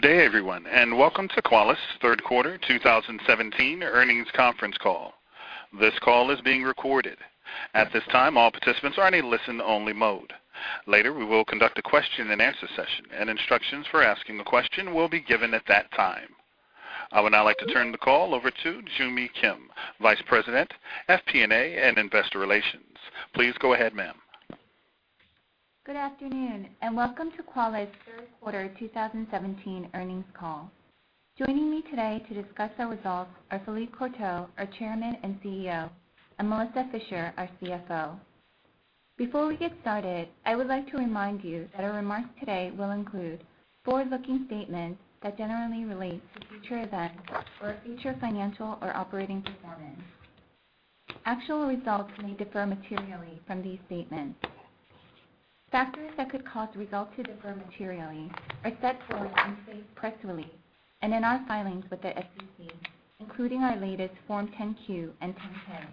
Good day, everyone, and welcome to Qualys' third quarter 2017 earnings conference call. This call is being recorded. At this time, all participants are in a listen-only mode. Later, we will conduct a question-and-answer session, and instructions for asking a question will be given at that time. I would now like to turn the call over to Joo Mi Kim, Vice President, FP&A, and Investor Relations. Please go ahead, ma'am. Good afternoon, welcome to Qualys' third quarter 2017 earnings call. Joining me today to discuss our results are Philippe Courtot, our Chairman and CEO, and Melissa Fisher, our CFO. Before we get started, I would like to remind you that our remarks today will include forward-looking statements that generally relate to future events or future financial or operating performance. Actual results may differ materially from these statements. Factors that could cause results to differ materially are set forth in our press release and in our filings with the SEC, including our latest Form 10-Q and 10-K.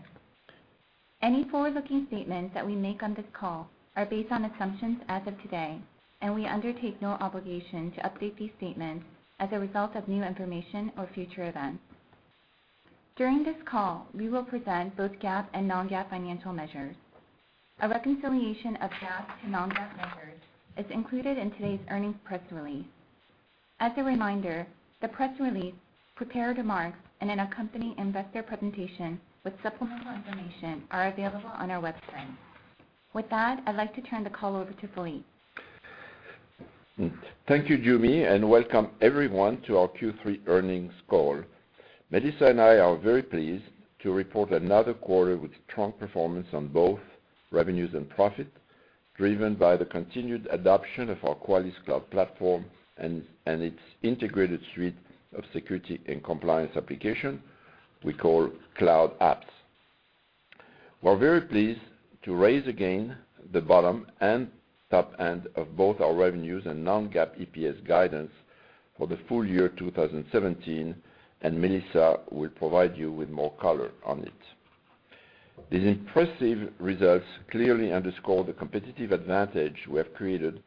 Any forward-looking statements that we make on this call are based on assumptions as of today. We undertake no obligation to update these statements as a result of new information or future events. During this call, we will present both GAAP and non-GAAP financial measures. A reconciliation of GAAP to non-GAAP measures is included in today's earnings press release. As a reminder, the press release, prepared remarks, and an accompanying investor presentation with supplemental information are available on our website. With that, I'd like to turn the call over to Philippe. Thank you, Joo Mi, welcome everyone to our Q3 earnings call. Melissa and I are very pleased to report another quarter with strong performance on both revenues and profit, driven by the continued adoption of our Qualys Cloud Platform and its integrated suite of security and compliance applications we call Cloud Apps. We're very pleased to raise again the bottom and top end of both our revenues and non-GAAP EPS guidance for the full year 2017. Melissa will provide you with more color on it. These impressive results clearly underscore the competitive advantage we have created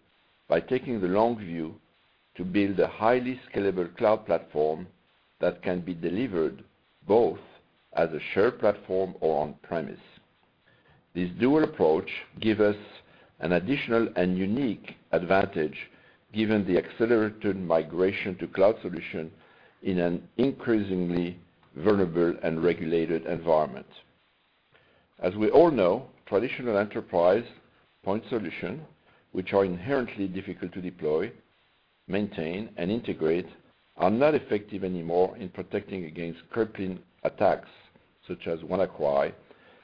by taking the long view to build a highly scalable cloud platform that can be delivered both as a shared platform or on-premise. This dual approach gives us an additional and unique advantage given the accelerated migration to cloud solutions in an increasingly vulnerable and regulated environment. As we all know, traditional enterprise point solutions, which are inherently difficult to deploy, maintain, and integrate, are not effective anymore in protecting against crippling attacks such as WannaCry,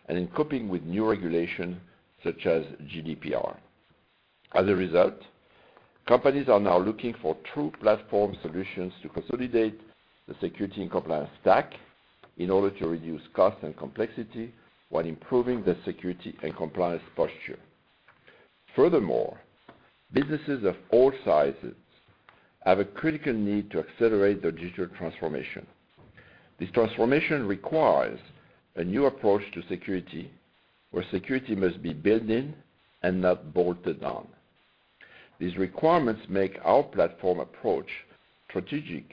and in coping with new regulations such as GDPR. As a result, companies are now looking for true platform solutions to consolidate the security and compliance stack in order to reduce cost and complexity while improving their security and compliance posture. Furthermore, businesses of all sizes have a critical need to accelerate their digital transformation. This transformation requires a new approach to security, where security must be built in and not bolted on. These requirements make our platform approach strategic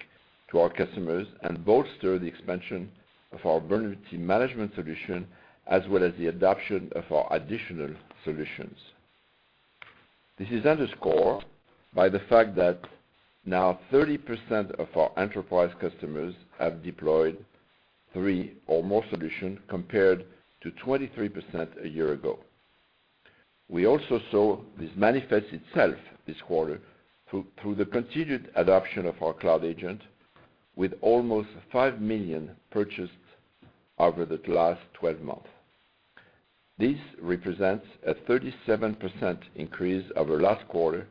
to our customers and bolster the expansion of our vulnerability management solution, as well as the adoption of our additional solutions. This is underscored by the fact that now 30% of our enterprise customers have deployed three or more solutions, compared to 23% a year ago. We also saw this manifest itself this quarter through the continued adoption of our Cloud Agent, with almost 5 million purchased over the last 12 months. This represents a 37% increase over last quarter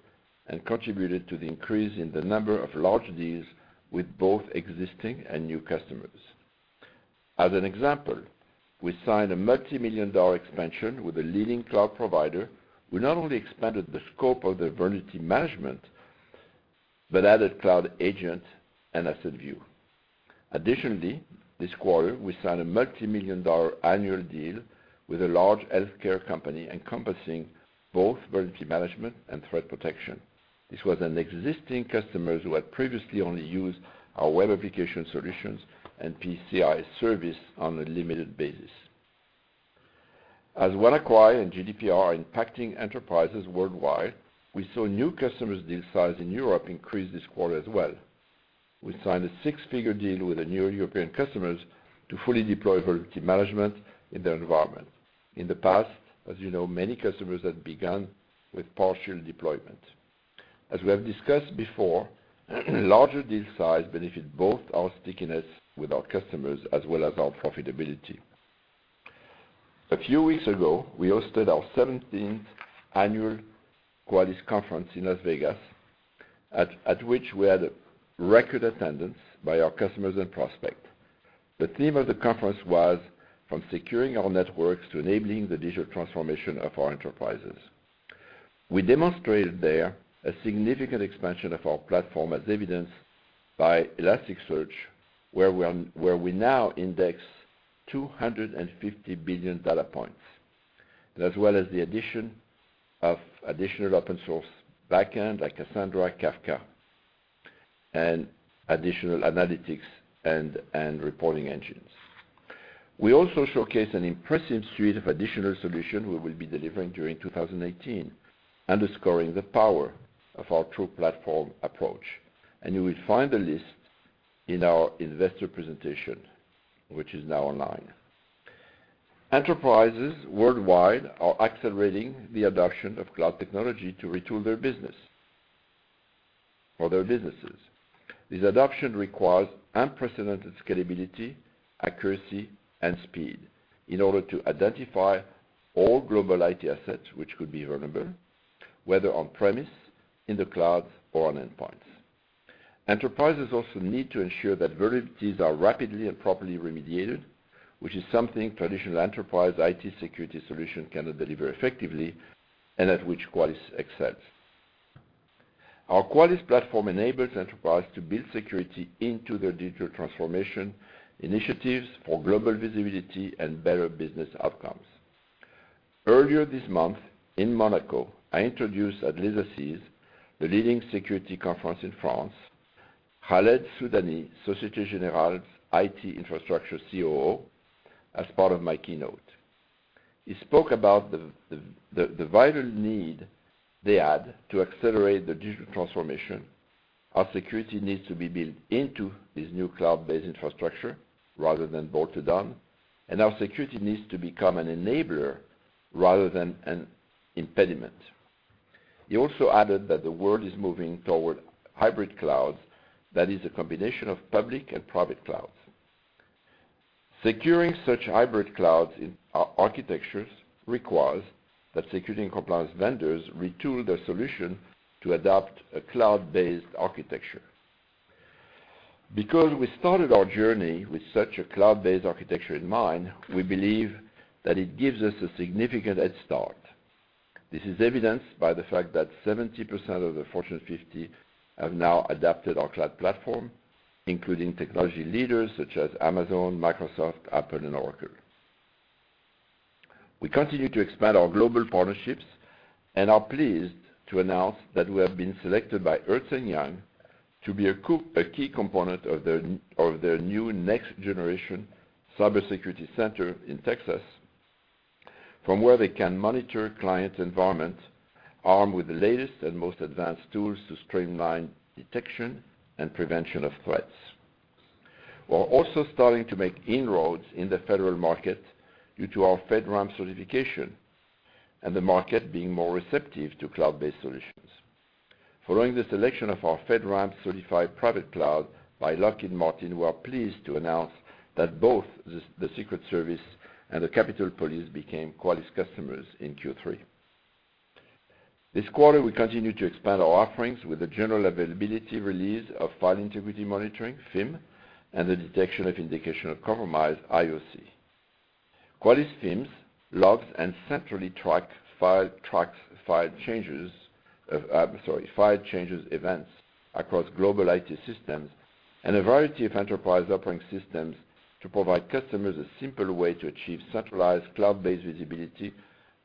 and contributed to the increase in the number of large deals with both existing and new customers. As an example, we signed a multimillion-dollar expansion with a leading cloud provider. We not only expanded the scope of their vulnerability management, but added Cloud Agent and AssetView. Additionally, this quarter, we signed a multimillion-dollar annual deal with a large healthcare company encompassing both vulnerability management and Threat Protection. This was an existing customer who had previously only used our web application solutions and PCI service on a limited basis. As WannaCry and GDPR are impacting enterprises worldwide, we saw new customer deal size in Europe increase this quarter as well. We signed a six-figure deal with a new European customer to fully deploy vulnerability management in their environment. In the past, as you know, many customers had begun with partial deployment. As we have discussed before, larger deal size benefits both our stickiness with our customers as well as our profitability. A few weeks ago, we hosted our 17th annual Qualys conference in Las Vegas, at which we had a record attendance by our customers and prospects. The theme of the conference was, "From securing our networks to enabling the digital transformation of our enterprises." We demonstrated there a significant expansion of our platform as evidenced by Elasticsearch, where we now index 250 billion data points. As well as the addition of additional open source back-end like Cassandra, Kafka, and additional analytics and reporting engines. We also showcase an impressive suite of additional solutions we will be delivering during 2018, underscoring the power of our true platform approach. You will find the list in our investor presentation, which is now online. Enterprises worldwide are accelerating the adoption of cloud technology to retool their business, for their businesses. This adoption requires unprecedented scalability, accuracy, and speed in order to identify all global IT assets which could be vulnerable, whether on-premise, in the cloud, or on endpoints. Enterprises also need to ensure that vulnerabilities are rapidly and properly remediated, which is something traditional enterprise IT security solution cannot deliver effectively, and at which Qualys excels. Our Qualys platform enables enterprise to build security into their digital transformation initiatives for global visibility and better business outcomes. Earlier this month, in Monaco, I introduced at Les Assises, the leading security conference in France, Khaled Soudani, Societe Generale's IT infrastructure COO, as part of my keynote. He spoke about the vital need they had to accelerate their digital transformation, how security needs to be built into this new cloud-based infrastructure rather than bolted on, and how security needs to become an enabler rather than an impediment. He also added that the world is moving toward hybrid clouds, that is a combination of public and private clouds. Securing such hybrid clouds in our architectures requires that security and compliance vendors retool their solution to adopt a cloud-based architecture. Because we started our journey with such a cloud-based architecture in mind, we believe that it gives us a significant head start. This is evidenced by the fact that 70% of the Fortune 50 have now adopted our cloud platform, including technology leaders such as Amazon, Microsoft, Apple, and Oracle. We continue to expand our global partnerships and are pleased to announce that we have been selected by Ernst & Young to be a key component of their new next-generation cybersecurity center in Texas, from where they can monitor client environment, armed with the latest and most advanced tools to streamline detection and prevention of threats. We're also starting to make inroads in the federal market due to our FedRAMP certification and the market being more receptive to cloud-based solutions. Following the selection of our FedRAMP-certified private cloud by Lockheed Martin, we are pleased to announce that both the Secret Service and the Capitol Police became Qualys customers in Q3. This quarter, we continue to expand our offerings with the general availability release of File Integrity Monitoring, FIM, and the detection of Indication of Compromise, IOC. Qualys FIM logs and centrally tracks file changes events across global IT systems and a variety of enterprise operating systems to provide customers a simple way to achieve centralized cloud-based visibility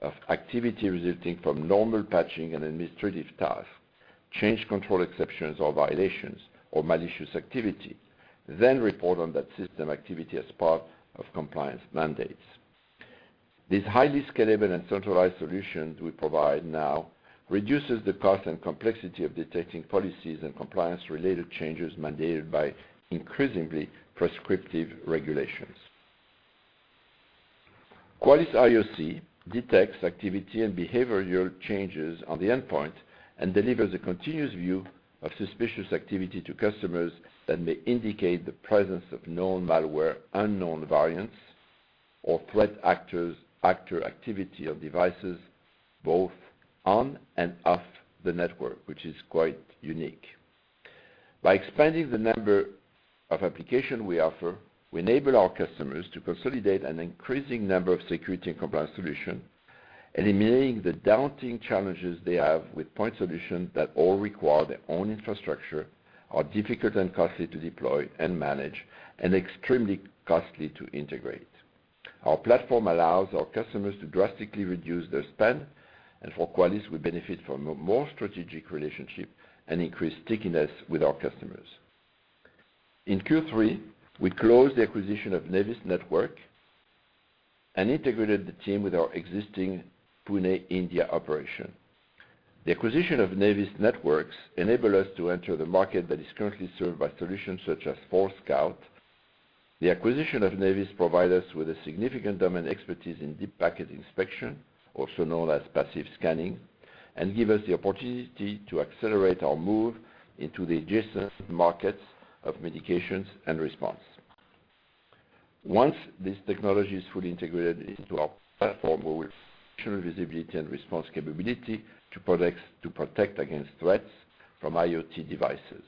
of activity resulting from normal patching and administrative tasks, change control exceptions or violations, or malicious activity, then report on that system activity as part of compliance mandates. These highly scalable and centralized solutions we provide now reduces the cost and complexity of detecting policies and compliance-related changes mandated by increasingly prescriptive regulations. Qualys IOC detects activity and behavioral changes on the endpoint and delivers a continuous view of suspicious activity to customers that may indicate the presence of known malware, unknown variants, or threat actor activity on devices both on and off the network, which is quite unique. By expanding the number of applications we offer, we enable our customers to consolidate an increasing number of security and compliance solutions, eliminating the daunting challenges they have with point solutions that all require their own infrastructure, are difficult and costly to deploy and manage, and extremely costly to integrate. Our platform allows our customers to drastically reduce their spend, and for Qualys, we benefit from a more strategic relationship and increased stickiness with our customers. In Q3, we closed the acquisition of Nevis Networks and integrated the team with our existing Pune, India, operation. The acquisition of Nevis Networks enables us to enter the market that is currently served by solutions such as Forescout. The acquisition of Nevis provides us with a significant domain expertise in deep packet inspection, also known as passive scanning, and gives us the opportunity to accelerate our move into the adjacent markets of mitigations and response. Once this technology is fully integrated into our platform, we will have visibility and response capability to protect against threats from IoT devices.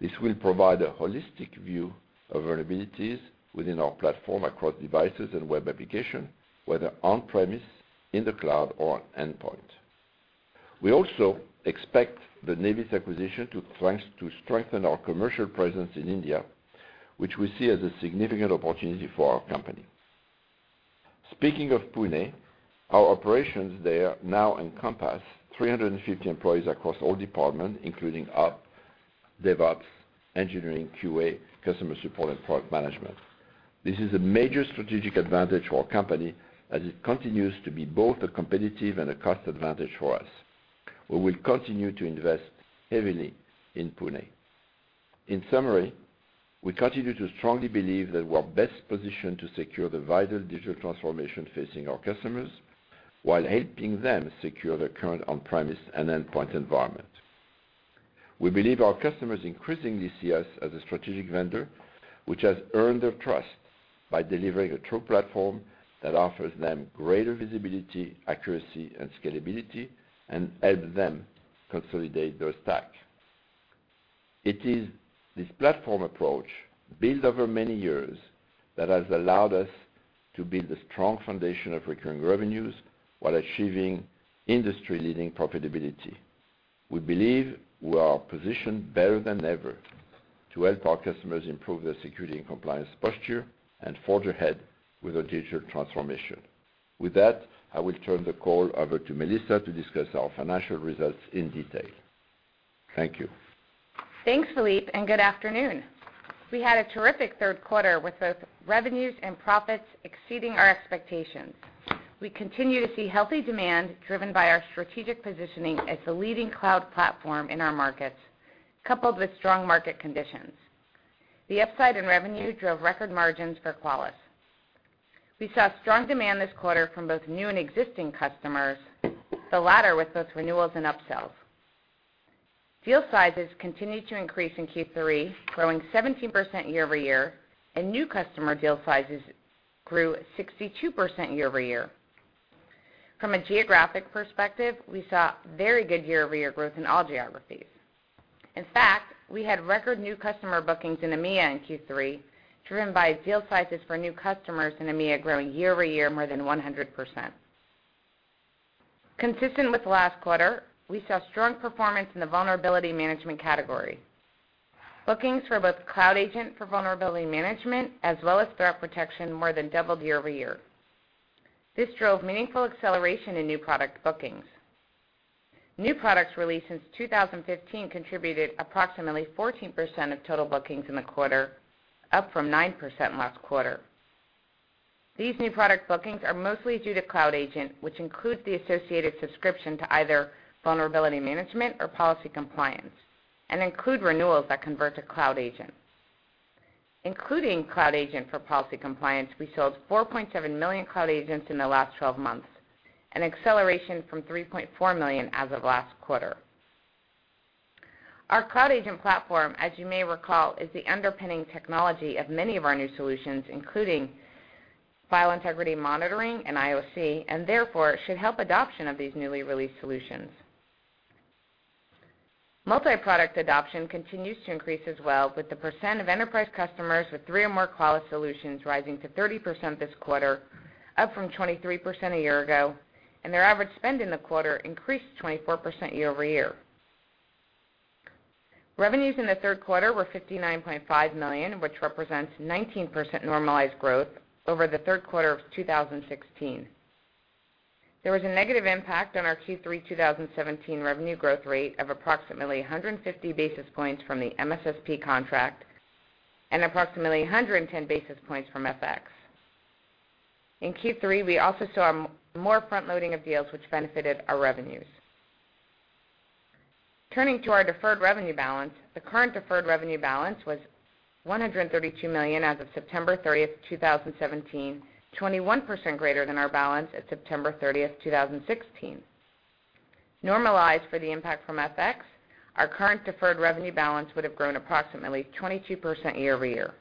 This will provide a holistic view of vulnerabilities within our platform, across devices and web applications, whether on-premise, in the cloud or on endpoint. We also expect the Nevis acquisition to strengthen our commercial presence in India, which we see as a significant opportunity for our company. Speaking of Pune, our operations there now encompass 350 employees across all departments, including op, DevOps, engineering, QA, customer support, and product management. This is a major strategic advantage for our company as it continues to be both a competitive and a cost advantage for us. We will continue to invest heavily in Pune. In summary, we continue to strongly believe that we're best positioned to secure the vital digital transformation facing our customers while helping them secure their current on-premise and endpoint environment. We believe our customers increasingly see us as a strategic vendor, which has earned their trust by delivering a true platform that offers them greater visibility, accuracy, and scalability, and helps them consolidate their stack. It is this platform approach, built over many years, that has allowed us to build a strong foundation of recurring revenues while achieving industry-leading profitability. We believe we are positioned better than ever to help our customers improve their security and compliance posture and forge ahead with their digital transformation. With that, I will turn the call over to Melissa to discuss our financial results in detail. Thank you. Thanks, Philippe. Good afternoon. We had a terrific third quarter with both revenues and profits exceeding our expectations. We continue to see healthy demand driven by our strategic positioning as the leading cloud platform in our markets, coupled with strong market conditions. The upside in revenue drove record margins for Qualys. We saw strong demand this quarter from both new and existing customers, the latter with both renewals and upsells. Deal sizes continued to increase in Q3, growing 17% year-over-year, and new customer deal sizes grew 62% year-over-year. From a geographic perspective, we saw very good year-over-year growth in all geographies. In fact, we had record new customer bookings in EMEA in Q3, driven by deal sizes for new customers in EMEA growing year-over-year more than 100%. Consistent with last quarter, we saw strong performance in the vulnerability management category. Bookings for both Cloud Agent for vulnerability management as well as Threat Protection more than doubled year-over-year. This drove meaningful acceleration in new product bookings. New products released since 2015 contributed approximately 14% of total bookings in the quarter, up from 9% last quarter. These new product bookings are mostly due to Cloud Agent, which includes the associated subscription to either vulnerability management or policy compliance and include renewals that convert to Cloud Agent. Including Cloud Agent for policy compliance, we sold 4.7 million Cloud Agents in the last 12 months, an acceleration from 3.4 million as of last quarter. Our Cloud Agent platform, as you may recall, is the underpinning technology of many of our new solutions, including File Integrity Monitoring and IOC, and therefore should help adoption of these newly released solutions. Multi-product adoption continues to increase as well, with the percent of enterprise customers with three or more Qualys solutions rising to 30% this quarter, up from 23% a year ago, and their average spend in the quarter increased 24% year-over-year. Revenues in the third quarter were $59.5 million, which represents 19% normalized growth over the third quarter of 2016. There was a negative impact on our Q3 2017 revenue growth rate of approximately 150 basis points from the MSSP contract and approximately 110 basis points from FX. In Q3, we also saw more front-loading of deals which benefited our revenues. Turning to our deferred revenue balance, the current deferred revenue balance was $132 million as of September 30th, 2017, 21% greater than our balance at September 30th, 2016. Normalized for the impact from FX, our current deferred revenue balance would have grown approximately 22% year-over-year.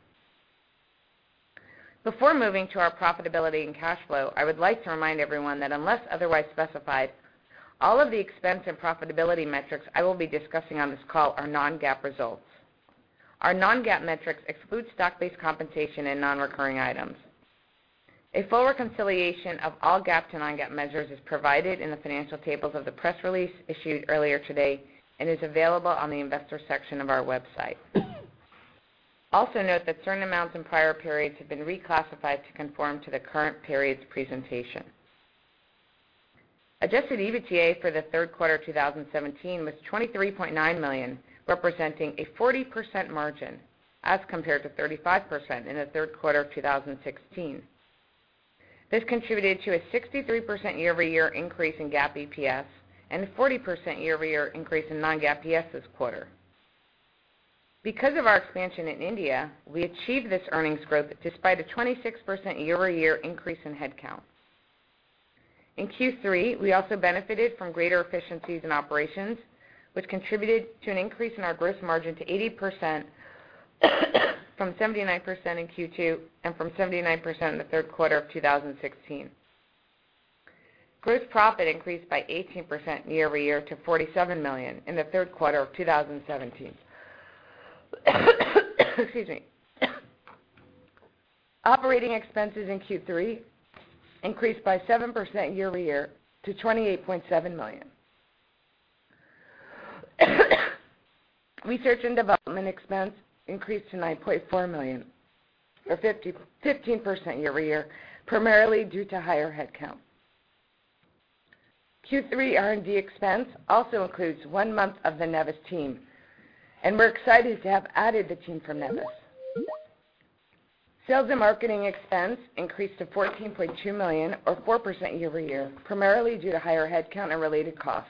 Before moving to our profitability and cash flow, I would like to remind everyone that unless otherwise specified, all of the expense and profitability metrics I will be discussing on this call are non-GAAP results. Our non-GAAP metrics exclude stock-based compensation and non-recurring items. A full reconciliation of all GAAP to non-GAAP measures is provided in the financial tables of the press release issued earlier today and is available on the investor section of our website. Also note that certain amounts in prior periods have been reclassified to conform to the current period's presentation. Adjusted EBITDA for the third quarter 2017 was $23.9 million, representing a 40% margin as compared to 35% in the third quarter of 2016. This contributed to a 63% year-over-year increase in GAAP EPS and a 40% year-over-year increase in non-GAAP EPS this quarter. Because of our expansion in India, we achieved this earnings growth despite a 26% year-over-year increase in headcount. In Q3, we also benefited from greater efficiencies in operations, which contributed to an increase in our gross margin to 80% from 79% in Q2 and from 79% in the third quarter of 2016. Gross profit increased by 18% year-over-year to $47 million in the third quarter of 2017. Excuse me. Operating expenses in Q3 increased by 7% year-over-year to $28.7 million. Research and development expense increased to $9.4 million or 15% year-over-year, primarily due to higher headcount. Q3 R&D expense also includes one month of the Nevis team, and we're excited to have added the team from Nevis. Sales and marketing expense increased to $14.2 million or 4% year-over-year, primarily due to higher headcount and related costs.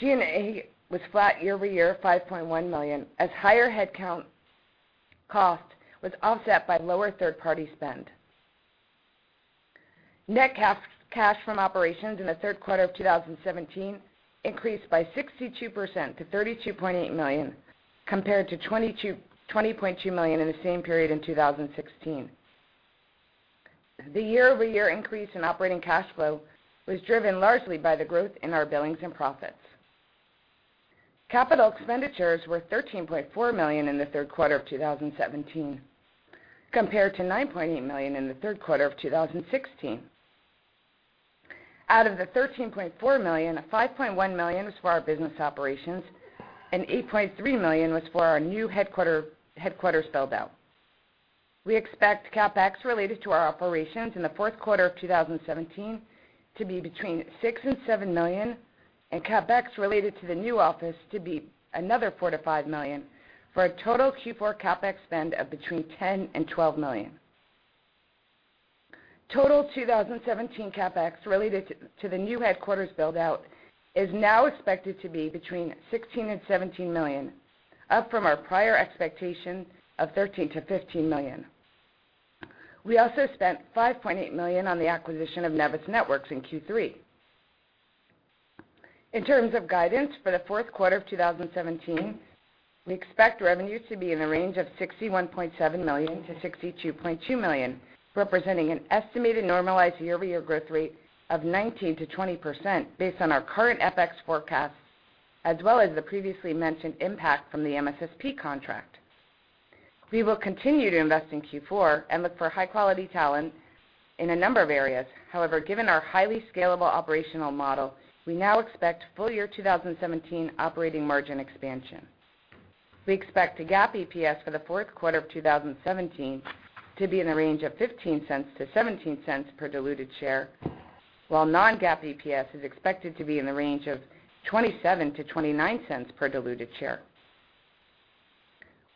G&A was flat year-over-year, $5.1 million, as higher headcount cost was offset by lower third-party spend. Net cash from operations in the third quarter of 2017 increased by 62% to $32.8 million, compared to $20.2 million in the same period in 2016. The year-over-year increase in operating cash flow was driven largely by the growth in our billings and profits. Capital expenditures were $13.4 million in the third quarter of 2017, compared to $9.8 million in the third quarter of 2016. Out of the $13.4 million, $5.1 million was for our business operations and $8.3 million was for our new headquarters build-out. We expect CapEx related to our operations in the fourth quarter of 2017 to be between $6 million and $7 million, and CapEx related to the new office to be another $4 million-$5 million, for a total Q4 CapEx spend of between $10 million and $12 million. Total 2017 CapEx related to the new headquarters build-out is now expected to be between $16 million and $17 million, up from our prior expectation of $13 million-$15 million. We also spent $5.8 million on the acquisition of Nevis Networks in Q3. In terms of guidance for the fourth quarter of 2017, we expect revenues to be in the range of $61.7 million-$62.2 million, representing an estimated normalized year-over-year growth rate of 19%-20% based on our current FX forecast, as well as the previously mentioned impact from the MSSP contract. We will continue to invest in Q4 and look for high quality talent in a number of areas. However, given our highly scalable operational model, we now expect full year 2017 operating margin expansion. We expect the GAAP EPS for the fourth quarter of 2017 to be in the range of $0.15-$0.17 per diluted share, while non-GAAP EPS is expected to be in the range of $0.27-$0.29 per diluted share.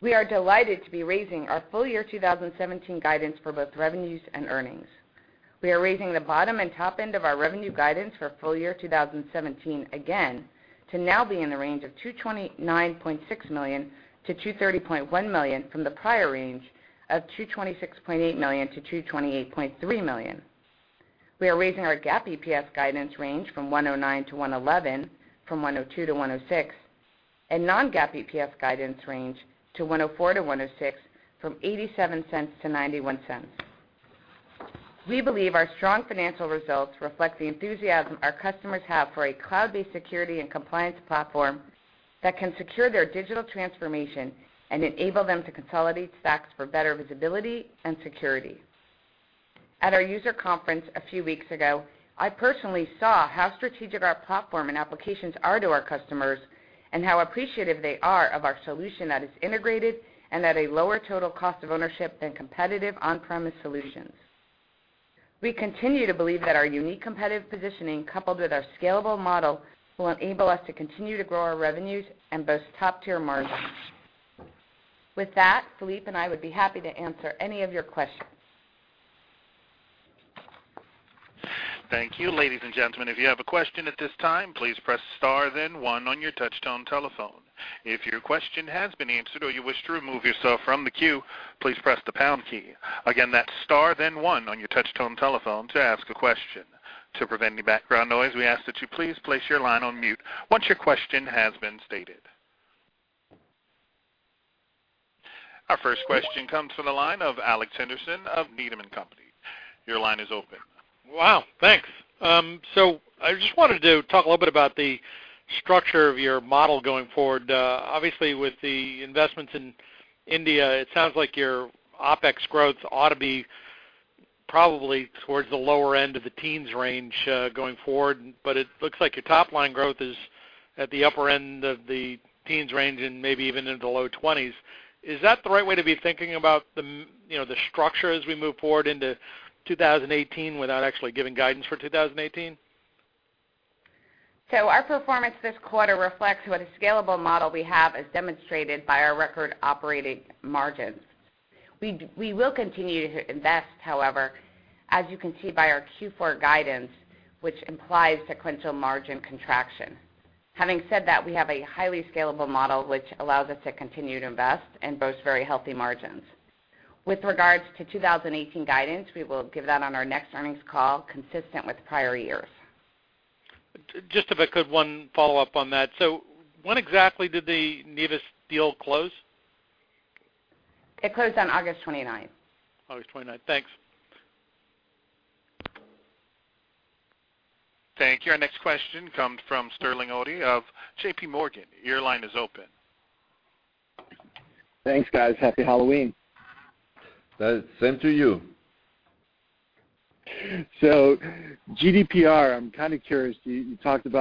We are delighted to be raising our full year 2017 guidance for both revenues and earnings. We are raising the bottom and top end of our revenue guidance for full year 2017 again to now be in the range of $229.6 million-$230.1 million from the prior range of $226.8 million-$228.3 million. We are raising our GAAP EPS guidance range from $1.09-$1.11 from $1.02-$1.06, and non-GAAP EPS guidance range to $1.04-$1.06 from $0.87-$0.91. We believe our strong financial results reflect the enthusiasm our customers have for a cloud-based security and compliance platform that can secure their digital transformation and enable them to consolidate stacks for better visibility and security. At our user conference a few weeks ago, I personally saw how strategic our platform and applications are to our customers and how appreciative they are of our solution that is integrated and at a lower total cost of ownership than competitive on-premises solutions. We continue to believe that our unique competitive positioning coupled with our scalable model will enable us to continue to grow our revenues and boast top-tier margins. With that, Philippe and I would be happy to answer any of your questions. Thank you. Ladies and gentlemen, if you have a question at this time, please press star then one on your touch tone telephone. If your question has been answered or you wish to remove yourself from the queue, please press the pound key. Again, that's star then one on your touch tone telephone to ask a question. To prevent any background noise, we ask that you please place your line on mute once your question has been stated. Our first question comes from the line of Alex Henderson of Needham & Company. Your line is open. Wow. Thanks. I just wanted to talk a little bit about the structure of your model going forward. Obviously, with the investments in India, it sounds like your OpEx growth ought to be probably towards the lower end of the teens range, going forward. It looks like your top-line growth is at the upper end of the teens range and maybe even into the low twenties. Is that the right way to be thinking about the structure as we move forward into 2018 without actually giving guidance for 2018? Our performance this quarter reflects what a scalable model we have as demonstrated by our record operating margins. We will continue to invest, however, as you can see by our Q4 guidance, which implies sequential margin contraction. Having said that, we have a highly scalable model, which allows us to continue to invest and boast very healthy margins. With regards to 2018 guidance, we will give that on our next earnings call consistent with prior years. Just if I could, one follow-up on that. When exactly did the Nevis deal close? It closed on August 29th. August 29th. Thanks. Thank you. Our next question comes from Sterling Auty of JPMorgan. Your line is open. Thanks, guys. Happy Halloween. Same to you. GDPR, I'm curious. You pointed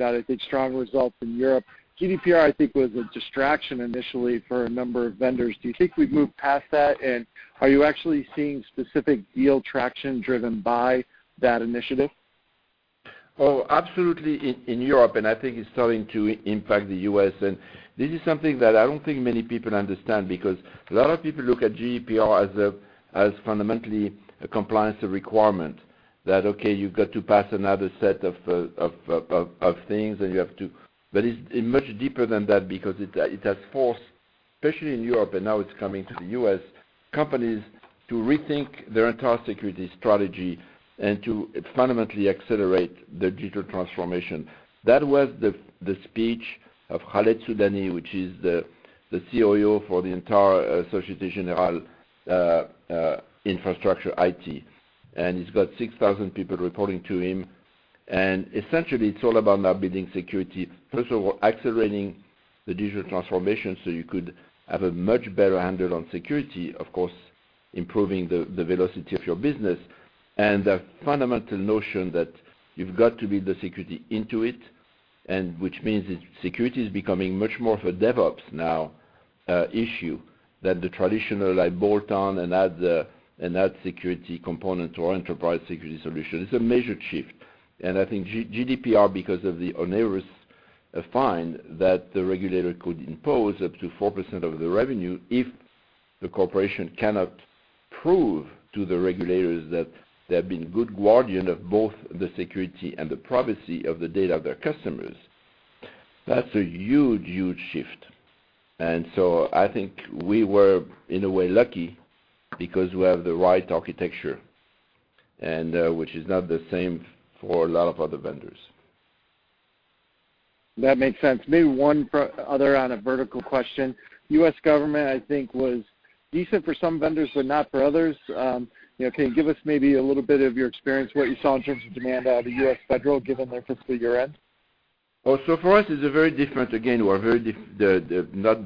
out, I think, strong results in Europe. GDPR, I think, was a distraction initially for a number of vendors. Do you think we've moved past that, and are you actually seeing specific deal traction driven by that initiative? Absolutely, in Europe, and I think it's starting to impact the U.S. This is something that I don't think many people understand because a lot of people look at GDPR as fundamentally a compliance requirement that, okay, you've got to pass another set of things. It's much deeper than that because it has forced, especially in Europe and now it's coming to the U.S., companies to rethink their entire security strategy and to fundamentally accelerate their digital transformation. That was the speech of Khaled Soudani, which is the COO for the entire Société Générale infrastructure IT, and he's got 6,000 people reporting to him. Essentially, it's all about now building security. First of all, accelerating the digital transformation so you could have a much better handle on security, of course, improving the velocity of your business. The fundamental notion that you've got to build the security into it, which means security is becoming much more of a DevOps now issue than the traditional bolt on and add security component to our enterprise security solution. It's a major shift. I think GDPR because of the onerous fine that the regulator could impose up to 4% of the revenue if the corporation cannot prove to the regulators that they have been good guardian of both the security and the privacy of the data of their customers. That's a huge shift. I think we were, in a way, lucky because we have the right architecture, which is not the same for a lot of other vendors. That makes sense. Maybe one other on a vertical question. U.S. government, I think was decent for some vendors, but not for others. Can you give us maybe a little bit of your experience, what you saw in terms of demand out of U.S. Federal, given their fiscal year end? For us, it's very different. Again, we're not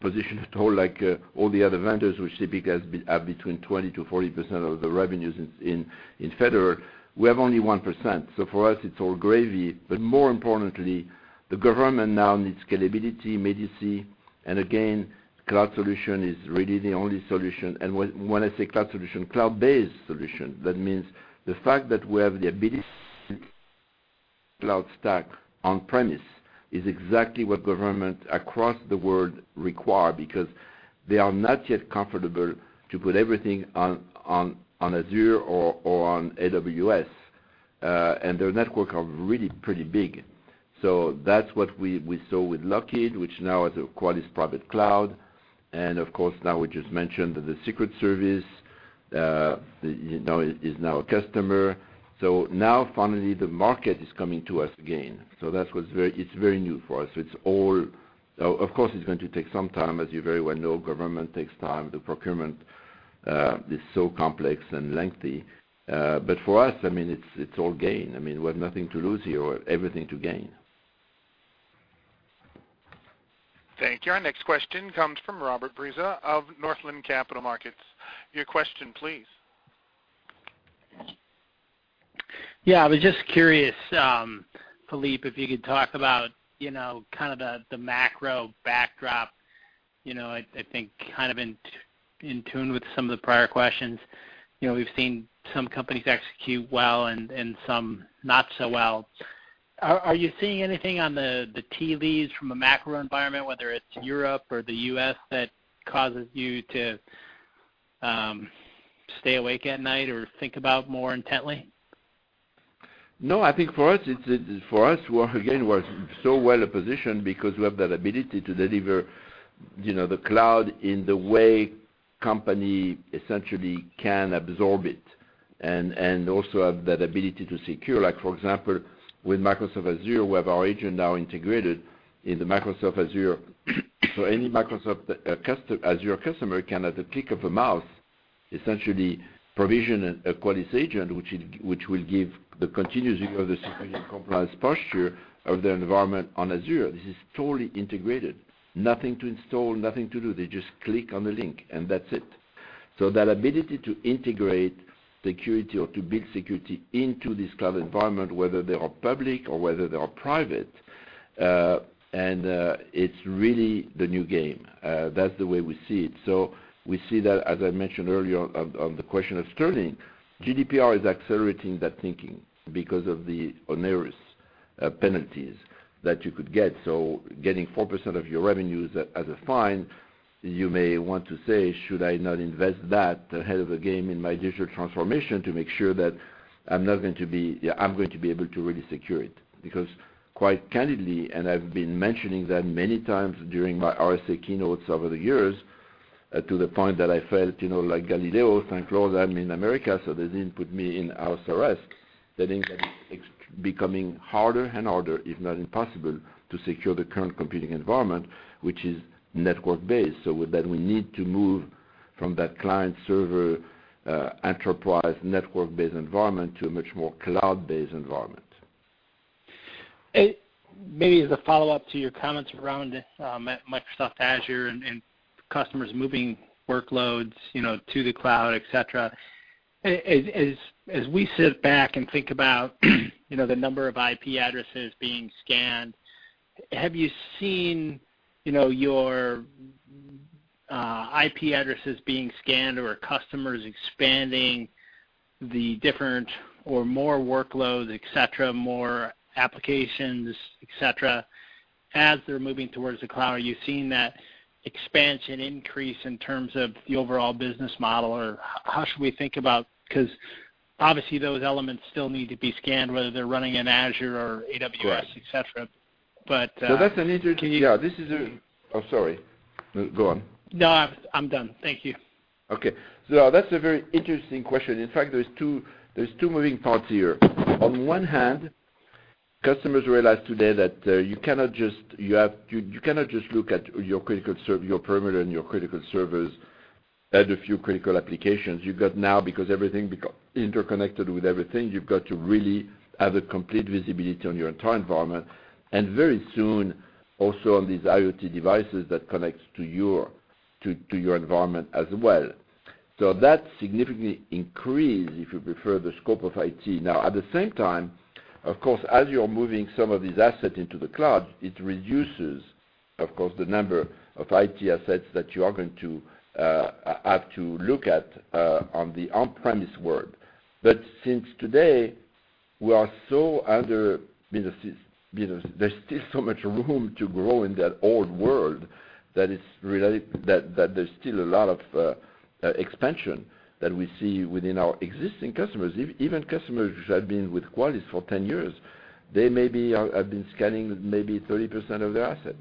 positioned at all like all the other vendors, which typically have between 20%-40% of the revenues in federal. We have only 1%. For us, it's all gravy. More importantly, the government now needs scalability, immediacy, and again, cloud solution is really the only solution. When I say cloud solution, cloud-based solution, that means the fact that we have the ability cloud stack on-premise is exactly what government across the world require because they are not yet comfortable to put everything on Azure or on AWS, and their network are really pretty big. That's what we saw with Lockheed, which now is a Qualys private cloud. Of course, now we just mentioned that the Secret Service is now a customer. Now finally the market is coming to us again. It's very new for us. Of course, it's going to take some time. As you very well know, government takes time. The procurement is so complex and lengthy. For us, it's all gain. We have nothing to lose here, everything to gain. Thank you. Our next question comes from Robert Breza of Northland Capital Markets. Your question, please. Yeah, I was just curious, Philippe, if you could talk about the macro backdrop, I think in tune with some of the prior questions. We've seen some companies execute well and some not so well. Are you seeing anything on the tea leaves from a macro environment, whether it's Europe or the U.S., that causes you to stay awake at night or think about more intently? No, I think for us, again, we're so well positioned because we have that ability to deliver the cloud in the way company essentially can absorb it and also have that ability to secure. Like for example, with Microsoft Azure, we have our agent now integrated in the Microsoft Azure. Any Microsoft Azure customer can, at the click of a mouse, essentially provision a Qualys agent, which will give the continuous view of the security and compromised posture of their environment on Azure. This is totally integrated. Nothing to install, nothing to do. They just click on the link, and that's it. That ability to integrate security or to build security into this cloud environment, whether they are public or whether they are private, and it's really the new game. That's the way we see it. We see that, as I mentioned earlier on the question of Sterling, GDPR is accelerating that thinking because of the onerous penalties that you could get. Getting 4% of your revenues as a fine, you may want to say, should I not invest that ahead of the game in my digital transformation to make sure that I'm going to be able to really secure it? Because quite candidly, and I've been mentioning that many times during my RSA keynotes over the years, to the point that I felt like Galileo, thank Lord I'm in America, they didn't put me in house arrest. That means that it's becoming harder and harder, if not impossible, to secure the current computing environment, which is network-based. With that, we need to move From that client-server enterprise network-based environment to a much more cloud-based environment. Maybe as a follow-up to your comments around Microsoft Azure and customers moving workloads to the cloud, et cetera. As we sit back and think about the number of IP addresses being scanned, have you seen your IP addresses being scanned or customers expanding the different or more workloads, et cetera, more applications, et cetera, as they're moving towards the cloud? Are you seeing that expansion increase in terms of the overall business model, or how should we think about? Obviously those elements still need to be scanned, whether they're running in Azure or AWS, et cetera. So that's an interesting- Can. Yeah, Oh, sorry. No, go on. No, I'm done. Thank you. Okay. That's a very interesting question. In fact, there's two moving parts here. On one hand, customers realize today that you cannot just look at your perimeter and your critical servers, add a few critical applications. You've got now, because everything interconnected with everything, you've got to really have a complete visibility on your entire environment, and very soon, also on these IoT devices that connects to your environment as well. That significantly increase, if you prefer, the scope of IT. At the same time, of course, as you're moving some of these assets into the cloud, it reduces, of course, the number of IT assets that you are going to have to look at on the on-premise world. Since today there's still so much room to grow in that old world that there's still a lot of expansion that we see within our existing customers. Even customers which have been with Qualys for 10 years, they maybe have been scanning maybe 30% of their assets.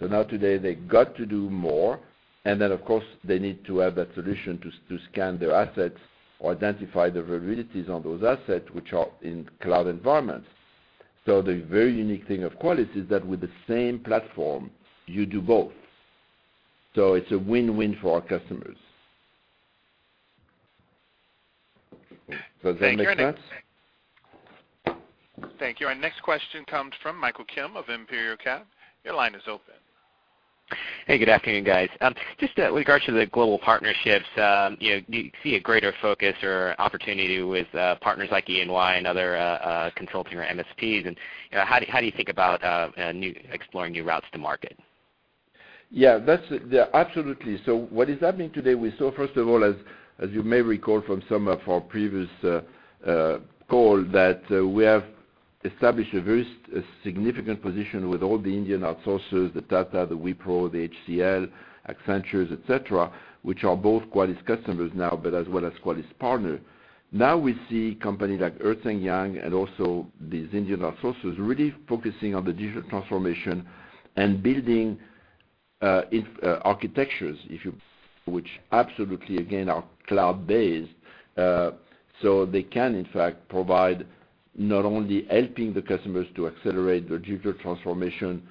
Now today they got to do more, and then, of course, they need to have that solution to scan their assets or identify the vulnerabilities on those assets, which are in cloud environments. The very unique thing of Qualys is that with the same platform, you do both. It's a win-win for our customers. Does that make sense? Thank you. Thank you. Our next question comes from Michael Kim of Imperial Capital. Your line is open. Hey, good afternoon, guys. Just with regards to the global partnerships, do you see a greater focus or opportunity with partners like EY and other consulting or MSPs, and how do you think about exploring new routes to market? Yeah. Absolutely. What is happening today, we saw, first of all, as you may recall from some of our previous call, that we have established a very significant position with all the Indian outsourcers, the Tata, the Wipro, the HCL, Accenture, et cetera, which are both Qualys customers now, but as well as Qualys partner. We see companies like Ernst & Young and also these Indian outsourcers really focusing on the digital transformation and building architectures, which absolutely, again, are cloud-based. They can, in fact, provide not only helping the customers to accelerate their digital transformation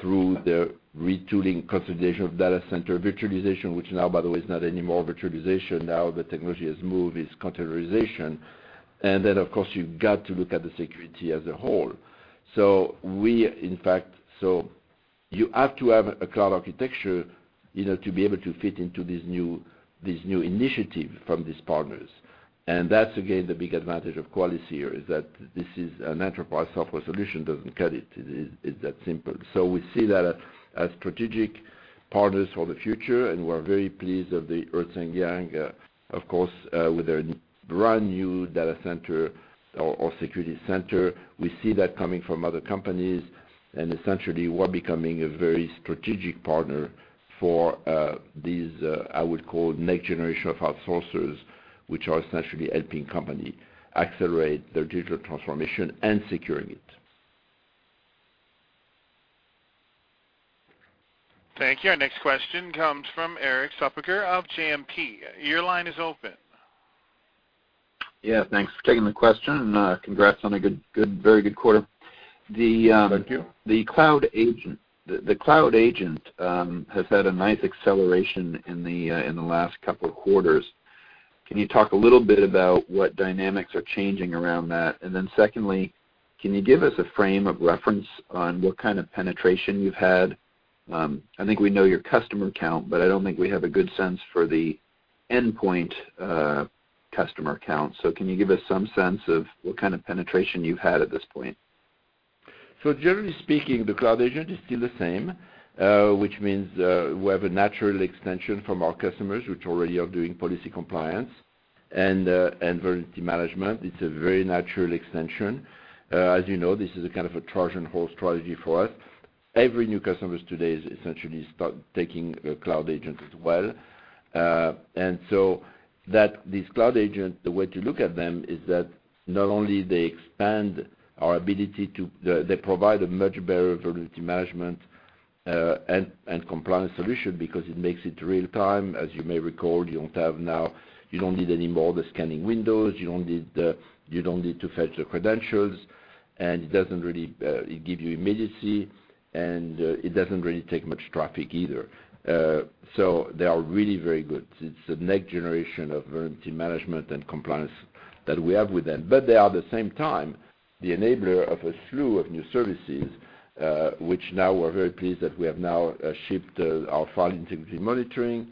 through their retooling consolidation of data center virtualization, which now, by the way, is not anymore virtualization. The technology has moved, it's containerization. Of course, you've got to look at the security as a whole. You have to have a cloud architecture to be able to fit into this new initiative from these partners. That's again, the big advantage of Qualys here, is that this is an enterprise software solution, doesn't cut it. It's that simple. We see that as strategic partners for the future, and we're very pleased with the Ernst & Young, of course, with their brand-new data center or security center. We see that coming from other companies, and essentially, we're becoming a very strategic partner for these, I would call, next generation of outsourcers, which are essentially helping company accelerate their digital transformation and securing it. Thank you. Our next question comes from Erik Suppiger of JMP Securities. Your line is open. Yeah, thanks for taking the question, congrats on a very good quarter. Thank you. The Cloud Agent has had a nice acceleration in the last couple of quarters. Can you talk a little bit about what dynamics are changing around that? Secondly, can you give us a frame of reference on what kind of penetration you've had? I think we know your customer count, but I don't think we have a good sense for the endpoint customer count. Can you give us some sense of what kind of penetration you've had at this point? Generally speaking, the Cloud Agent is still the same, which means we have a natural extension from our customers, which already are doing policy compliance and vulnerability management. It's a very natural extension. As you know, this is a kind of a Trojan horse strategy for us. Every new customers today is essentially start taking Cloud Agents as well. These Cloud Agent, the way to look at them is that not only they provide a much better vulnerability management and compliance solution because it makes it real time. As you may recall, you don't need anymore the scanning windows, you don't need to fetch the credentials, and it give you immediacy, and it doesn't really take much traffic either. They are really very good. It's the next generation of vulnerability management and compliance that we have with them. They are, at the same time, the enabler of a slew of new services, which now we're very pleased that we have now shipped our File Integrity Monitoring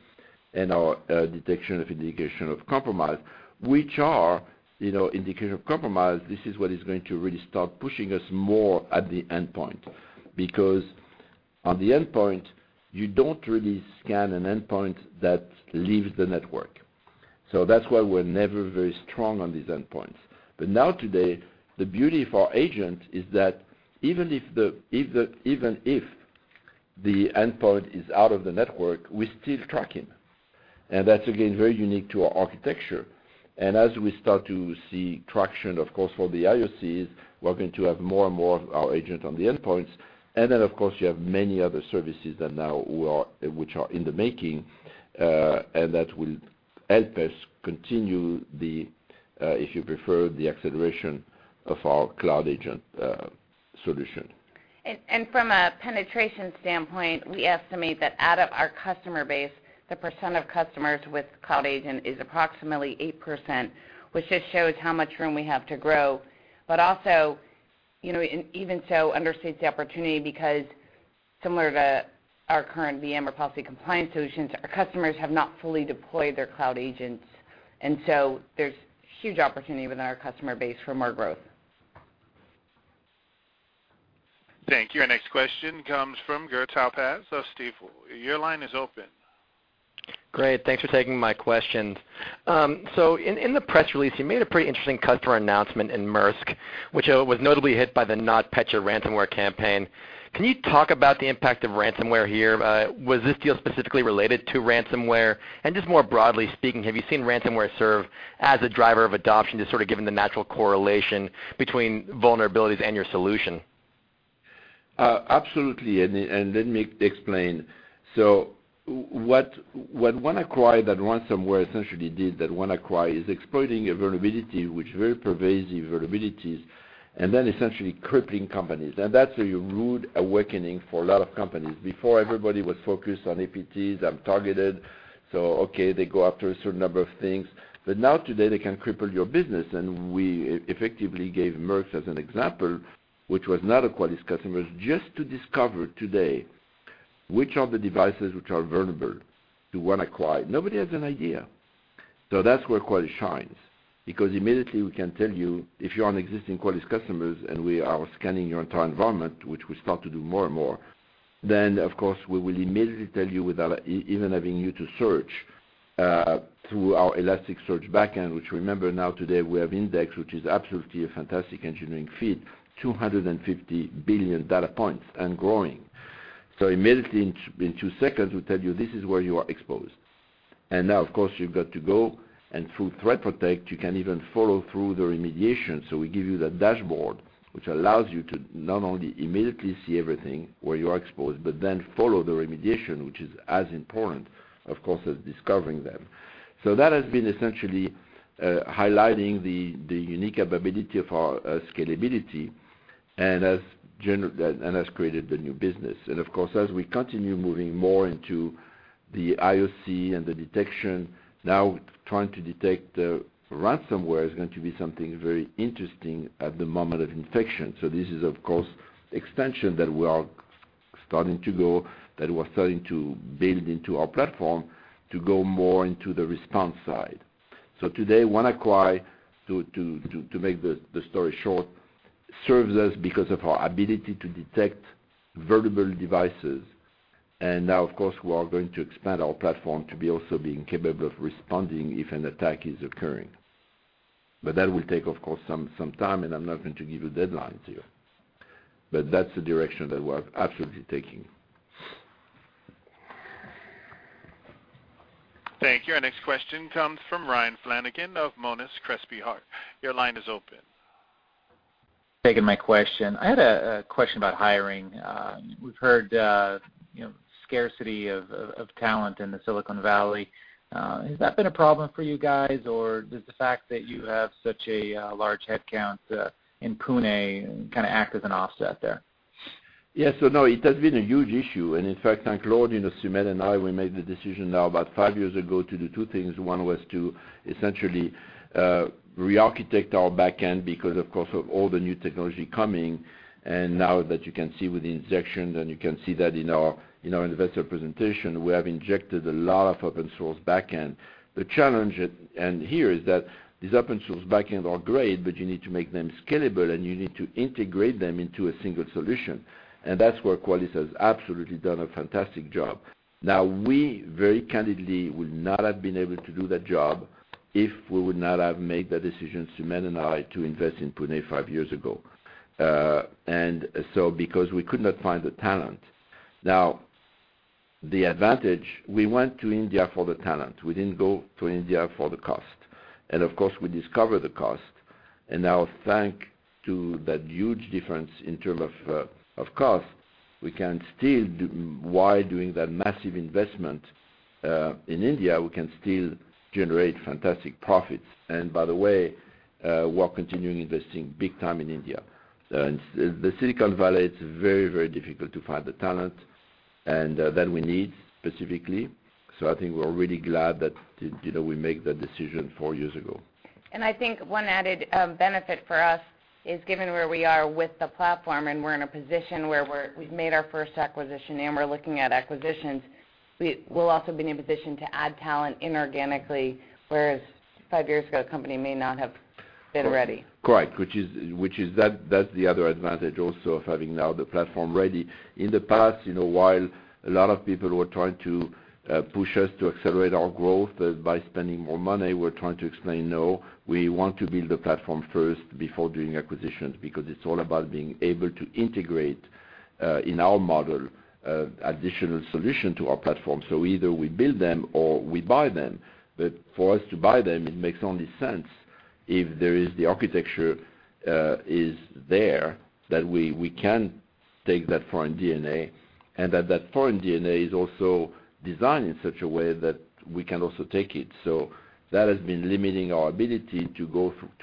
and our detection of Indication of Compromise, which are, Indication of Compromise, this is what is going to really start pushing us more at the endpoint. On the endpoint, you don't really scan an endpoint that leaves the network. That's why we're never very strong on these endpoints. Now today, the beauty of our agent is that even if the endpoint is out of the network, we still track him. That's again, very unique to our architecture. As we start to see traction, of course, for the IOCs, we're going to have more and more of our agent on the endpoints. Of course, you have many other services that now which are in the making, and that will help us continue the, if you prefer, the acceleration of our Cloud Agent solution. From a penetration standpoint, we estimate that out of our customer base, the percent of customers with Cloud Agent is approximately 8%, which just shows how much room we have to grow. Also, even so understates the opportunity because similar to our current VM or policy compliance solutions, our customers have not fully deployed their Cloud Agents, there's huge opportunity within our customer base for more growth. Thank you. Our next question comes from Gur Talpaz of Stifel. Your line is open. Great. Thanks for taking my questions. In the press release, you made a pretty interesting customer announcement in Maersk, which was notably hit by the NotPetya ransomware campaign. Can you talk about the impact of ransomware here? Was this deal specifically related to ransomware? Just more broadly speaking, have you seen ransomware serve as a driver of adoption, just sort of given the natural correlation between vulnerabilities and your solution? Absolutely. Let me explain. What WannaCry, that ransomware essentially did that WannaCry, is exploiting a vulnerability, which very pervasive vulnerabilities, then essentially crippling companies. That's a rude awakening for a lot of companies. Before everybody was focused on APTs, I'm targeted. Okay, they go after a certain number of things. Today, they can cripple your business. We effectively gave Maersk as an example, which was not a Qualys customer, just to discover today which of the devices which are vulnerable to WannaCry. Nobody has an idea. That's where Qualys shines, because immediately we can tell you, if you're an existing Qualys customers and we are scanning your entire environment, which we start to do more and more, then of course we will immediately tell you without even having you to search through our Elasticsearch backend, which remember today we have index, which is absolutely a fantastic engineering feat, 250 billion data points and growing. Immediately in two seconds, we tell you this is where you are exposed. Now, of course, you've got to go and through ThreatPROTECT, you can even follow through the remediation. We give you the dashboard, which allows you to not only immediately see everything where you are exposed, but then follow the remediation, which is as important, of course, as discovering them. That has been essentially highlighting the unique capability of our scalability and has created the new business. Of course, as we continue moving more into the IOC and the detection, now trying to detect ransomware is going to be something very interesting at the moment of infection. This is, of course, extension that we are starting to go, that we're starting to build into our platform to go more into the response side. Today, WannaCry, to make the story short, serves us because of our ability to detect vulnerable devices. Now, of course, we are going to expand our platform to be also being capable of responding if an attack is occurring. That will take, of course, some time, and I'm not going to give a deadline to you. That's the direction that we're absolutely taking. Thank you. Our next question comes from Ryan Flanagan of Monness Crespi Hardt. Your line is open. Taking my question. I had a question about hiring. We've heard scarcity of talent in the Silicon Valley. Has that been a problem for you guys, or does the fact that you have such a large headcount in Pune kind of act as an offset there? Yes. No, it has been a huge issue. In fact, thank Claude, Sumedh and I, we made the decision now about 5 years ago to do two things. One was to essentially rearchitect our backend because of course, of all the new technology coming, and now that you can see with the injection, then you can see that in our investor presentation, we have injected a lot of open source backend. The challenge, here is that these open source backend are great, but you need to make them scalable, and you need to integrate them into a single solution. That's where Qualys has absolutely done a fantastic job. We very candidly would not have been able to do that job if we would not have made the decision, Sumedh and I, to invest in Pune 5 years ago. Because we could not find the talent. The advantage, we went to India for the talent. We didn't go to India for the cost. Of course, we discovered the cost, and now thanks to that huge difference in term of cost, while doing that massive investment, in India, we can still generate fantastic profits. By the way, we're continuing investing big time in India. In the Silicon Valley, it's very difficult to find the talent that we need specifically. I think we're really glad that we made that decision four years ago. I think one added benefit for us is given where we are with the platform, and we're in a position where we've made our first acquisition, and we're looking at acquisitions, we'll also be in a position to add talent inorganically, whereas five years ago, the company may not have been ready. Correct. That's the other advantage also of having now the platform ready. In the past, while a lot of people were trying to push us to accelerate our growth by spending more money, we're trying to explain, "No, we want to build the platform first before doing acquisitions," because it's all about being able to integrate, in our model, additional solution to our platform. Either we build them or we buy them. For us to buy them, it makes only sense if the architecture is there, that we can take that foreign DNA, and that foreign DNA is also designed in such a way that we can also take it. That has been limiting our ability to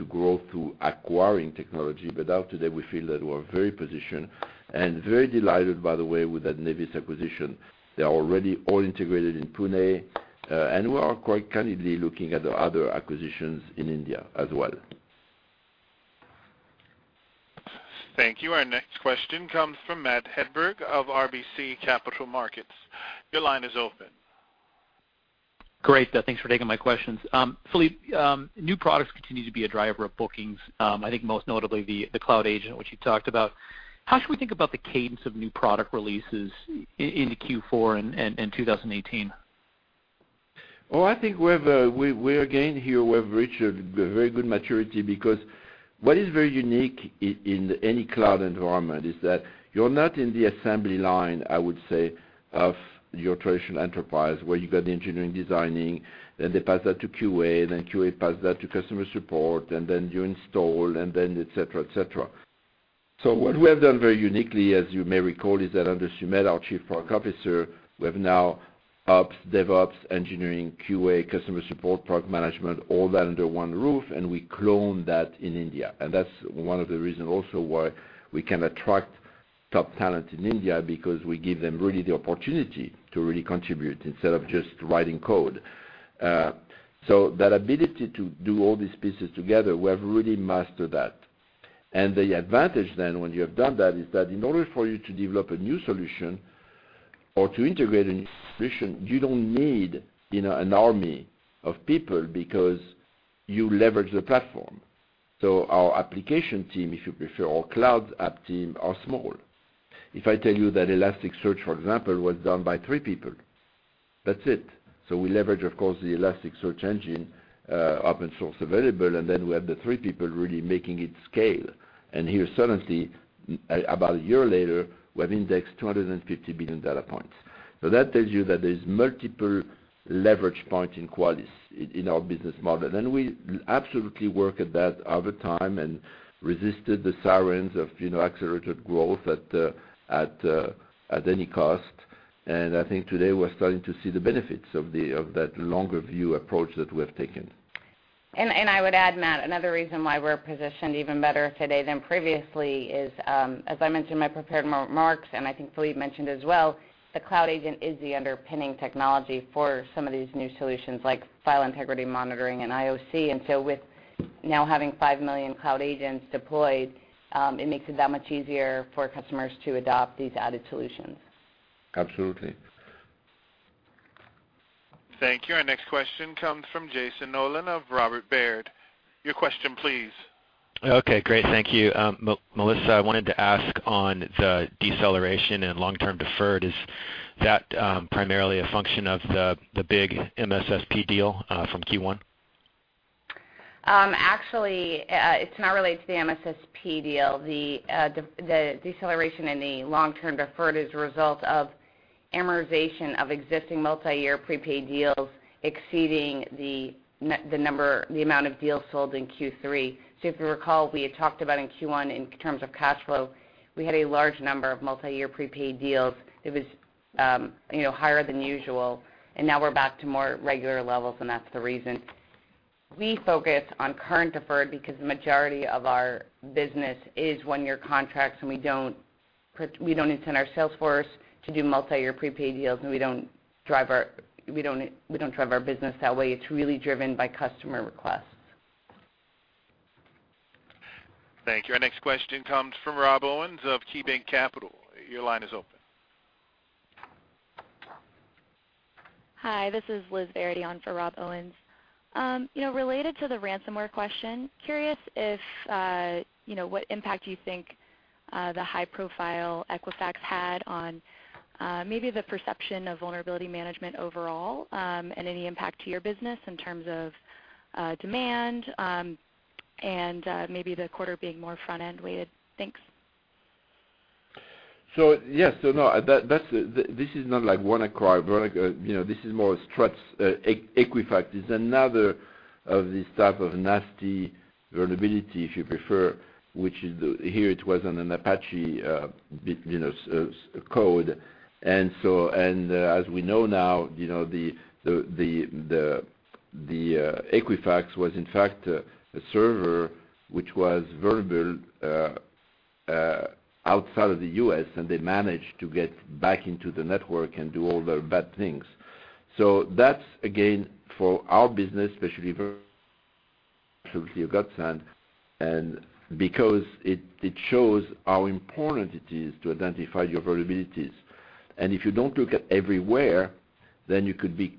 grow through acquiring technology. Now today, we feel that we're very positioned and very delighted, by the way, with that Nevis acquisition. They're already all integrated in Pune, we are quite candidly looking at other acquisitions in India as well. Thank you. Our next question comes from Matthew Hedberg of RBC Capital Markets. Your line is open. Great. Thanks for taking my questions. Philippe, new products continue to be a driver of bookings, I think most notably the Cloud Agent, which you talked about. How should we think about the cadence of new product releases into Q4 and 2018? I think we have gained here, we have reached a very good maturity because what is very unique in any cloud environment is that you're not in the assembly line, I would say, of your traditional enterprise, where you got the engineering designing, then they pass that to QA, then QA pass that to customer support, and then you install, and then et cetera. What we have done very uniquely, as you may recall, is that under Sumedh, our chief product officer, we have now ops, DevOps, engineering, QA, customer support, product management, all that under one roof, and we clone that in India. That's one of the reasons also why we can attract top talent in India because we give them really the opportunity to really contribute instead of just writing code. That ability to do all these pieces together, we have really mastered that. The advantage then when you have done that is that in order for you to develop a new solution or to integrate a new solution, you don't need an army of people because you leverage the platform. Our application team, if you prefer, our cloud app team are small. If I tell you that Elasticsearch, for example, was done by three people, that's it. We leverage, of course, the Elasticsearch engine, open source available, and then we have the three people really making it scale. Here, suddenly, about a year later, we have indexed 250 billion data points. That tells you that there's multiple leverage points in Qualys, in our business model. We absolutely work at that over time and resisted the sirens of accelerated growth at any cost. I think today we're starting to see the benefits of that longer view approach that we have taken. I would add, Matt, another reason why we're positioned even better today than previously is, as I mentioned in my prepared remarks, I think Philippe mentioned as well, the Cloud Agent is the underpinning technology for some of these new solutions like File Integrity Monitoring and IOC. With now having 5 million Cloud Agents deployed, it makes it that much easier for customers to adopt these added solutions. Absolutely. Thank you. Our next question comes from Jonathan Nolan of Robert Baird. Your question, please. Okay, great. Thank you. Melissa, I wanted to ask on the deceleration and long-term deferred, is that primarily a function of the big MSSP deal from Q1? It's not related to the MSSP deal. The deceleration in the long-term deferred is a result of amortization of existing multi-year prepaid deals exceeding the amount of deals sold in Q3. If you recall, we had talked about in Q1, in terms of cash flow, we had a large number of multi-year prepaid deals. It was higher than usual, now we're back to more regular levels, that's the reason. We focus on current deferred because the majority of our business is one-year contracts, we don't intend our sales force to do multi-year prepaid deals, we don't drive our business that way. It's really driven by customer requests. Thank you. Our next question comes from Rob Owens of KeyBanc Capital. Your line is open. Hi, this is Liz Verity on for Rob Owens. Related to the ransomware question, curious what impact you think the high profile Equifax had on maybe the perception of vulnerability management overall, any impact to your business in terms of demand? Maybe the quarter being more front-end weighted. Thanks. Yes. This is not like WannaCry. This is more Struts. Equifax is another of these type of nasty vulnerability, if you prefer, which here it was on an Apache code. As we know now the Equifax was in fact a server which was vulnerable outside of the U.S., they managed to get back into the network and do all the bad things. That's again, for our business, especially absolutely a godsend, because it shows how important it is to identify your vulnerabilities. If you don't look everywhere, then you could be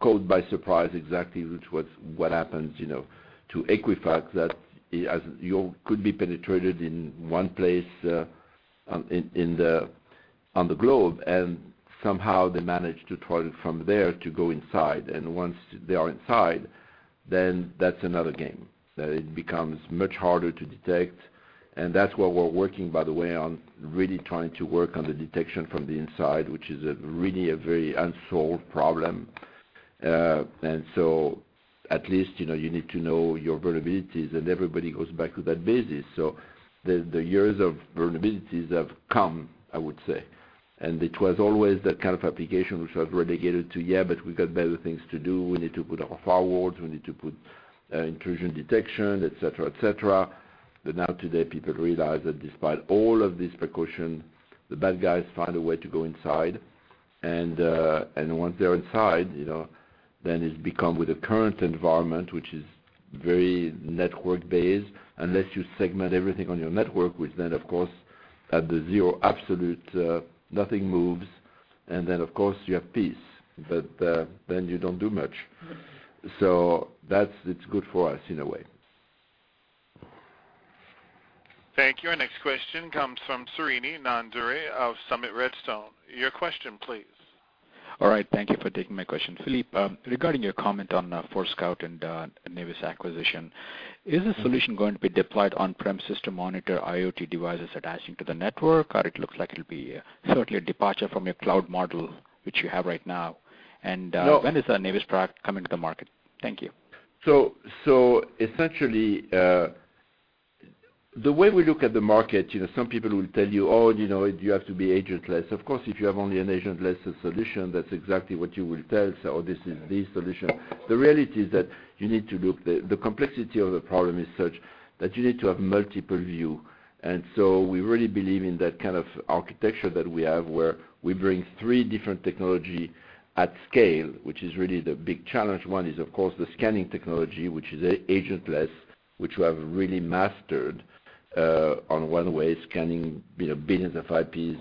caught by surprise exactly which was what happened to Equifax, that as you could be penetrated in one place on the globe, somehow they managed to tunnel from there to go inside. Once they are inside, then that's another game. It becomes much harder to detect. That's what we're working, by the way, on really trying to work on the detection from the inside, which is really a very unsolved problem. At least, you need to know your vulnerabilities, and everybody goes back to that basis. The years of vulnerabilities have come, I would say. It was always that kind of application, which was relegated to, "Yeah, but we got better things to do. We need to put a firewall. We need to put intrusion detection," et cetera. Now today, people realize that despite all of this precaution, the bad guys find a way to go inside. Once they're inside, then it's become with the current environment, which is very network-based, unless you segment everything on your network, which then, of course, at the zero absolute, nothing moves. Of course, you have peace, but then you don't do much. That's good for us in a way. Thank you. Our next question comes from Srini Nandury of Summit Redstone. Your question please. All right. Thank you for taking my question. Philippe Courtot, regarding your comment on the Forescout and the Nevis acquisition, is the solution going to be deployed on-premise system monitor IoT devices attaching to the network? It looks like it'll be certainly a departure from your cloud model, which you have right now. No When is the Nevis product coming to the market? Thank you. Essentially, the way we look at the market, some people will tell you, "Oh, you have to be agentless." Of course, if you have only an agentless solution, that's exactly what you will tell. This is the solution. The reality is that the complexity of the problem is such that you need to have multiple view. We really believe in that kind of architecture that we have, where we bring three different technology at scale, which is really the big challenge. One is, of course, the scanning technology, which is agentless, which we have really mastered, on one way, scanning billions of IPs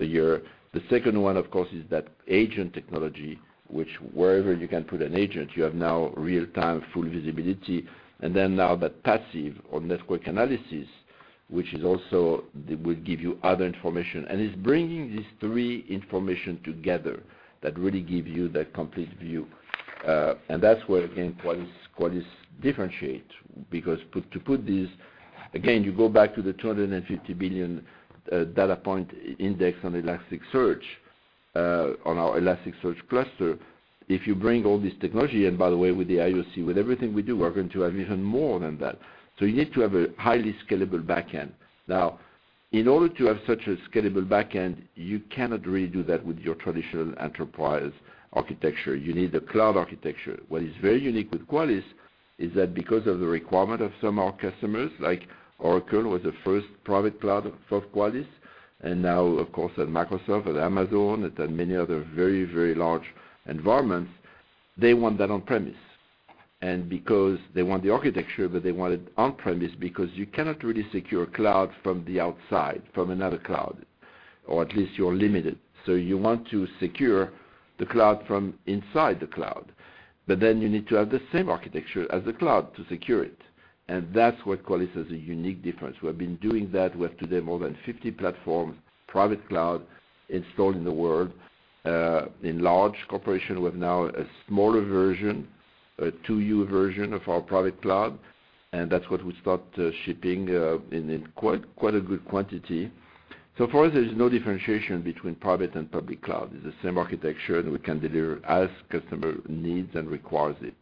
a year. The second one, of course, is that agent technology, which wherever you can put an agent, you have now real time, full visibility. Then now that passive or network analysis, which is also will give you other information. It's bringing these three information together that really give you that complete view. That's where, again, Qualys differentiate because to put this, again, you go back to the 250 billion data point index on Elasticsearch, on our Elasticsearch cluster. If you bring all this technology, and by the way, with the IOC, with everything we do, we're going to have even more than that. You need to have a highly scalable back end. In order to have such a scalable back end, you cannot really do that with your traditional enterprise architecture. You need the cloud architecture. What is very unique with Qualys is that because of the requirement of some of our customers, like Oracle was the first private cloud for Qualys, and now, of course, at Microsoft and Amazon, and many other very large environments, they want that on-premise. Because they want the architecture, but they want it on-premise because you cannot really secure cloud from the outside, from another cloud, or at least you're limited. You want to secure the cloud from inside the cloud. But then you need to have the same architecture as the cloud to secure it. That's where Qualys has a unique difference. We have been doing that with today more than 50 platforms, private cloud installed in the world, in large corporation. We have now a smaller version, a 2U version of our private cloud, and that's what we start shipping, in quite a good quantity. For us, there's no differentiation between private and public cloud. It's the same architecture, and we can deliver as customer needs and requires it.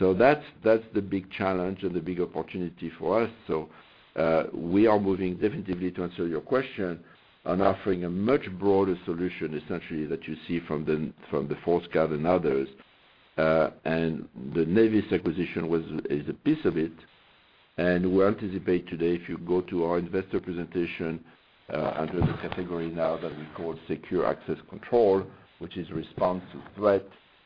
That's the big challenge and the big opportunity for us. We are moving definitively to answer your question on offering a much broader solution, essentially, that you see from the Forescout and others. The Nevis acquisition is a piece of it, and we anticipate today, if you go to our investor presentation under the category now that we call secure access control, which is response to threat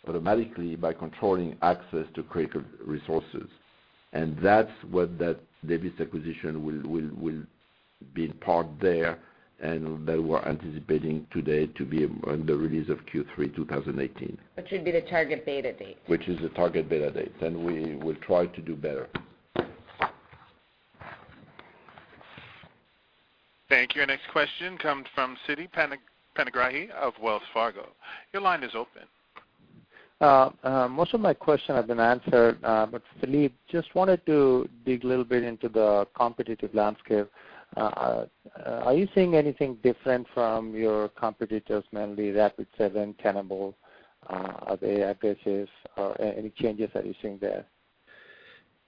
automatically by controlling access to critical resources. That's what that Nevis acquisition will be in part there, and that we're anticipating today to be on the release of Q3 2018. Which should be the target beta date. Which is the target beta date. We will try to do better. Thank you. Our next question comes from Siti Panigrahi of Wells Fargo. Your line is open. Most of my questions have been answered, Philippe, just wanted to dig a little bit into the competitive landscape. Are you seeing anything different from your competitors, mainly Rapid7, Tenable, other IPOs? Any changes that you're seeing there?